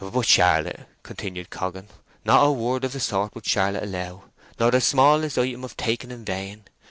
"But Charlotte," continued Coggan—"not a word of the sort would Charlotte allow, nor the smallest item of taking in vain....